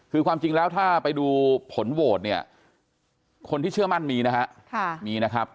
คือความจริงแล้วถ้าไปดูผลโหวตเนี่ยคนที่เชื่อมั่นมีนะฮะมีนะครับ